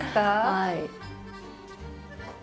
はい。